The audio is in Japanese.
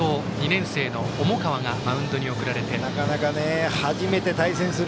２年生の重川がマウンドに送られています。